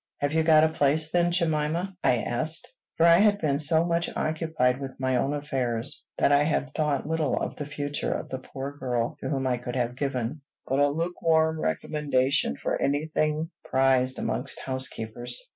"Have you got a place, then, Jemima?" I asked; for I had been so much occupied with my own affairs that I had thought little of the future of the poor girl to whom I could have given but a lukewarm recommendation for any thing prized amongst housekeepers.